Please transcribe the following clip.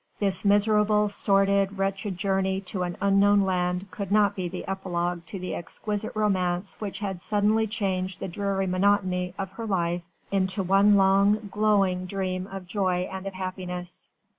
This miserable, sordid, wretched journey to an unknown land could not be the epilogue to the exquisite romance which had suddenly changed the dreary monotony of her life into one long, glowing dream of joy and of happiness!